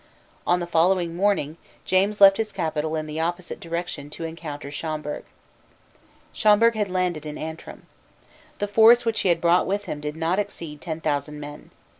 On the following morning James left his capital in the opposite direction to encounter Schomberg, Schomberg had landed in Antrim. The force which he had brought with him did not exceed ten thousand men.